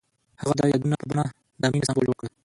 هغه د یادونه په بڼه د مینې سمبول جوړ کړ.